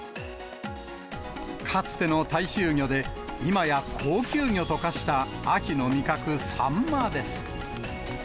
かつての大衆魚で、今や高級魚と化した秋の味覚、サンマです。